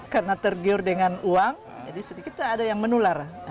karena tergiur dengan uang jadi sedikit ada yang menular